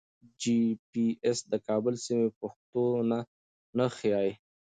جي پي ایس د کابل سیمې په پښتو نه ښیي.